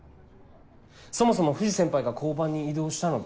そもそも藤先輩が交番に異動したのって。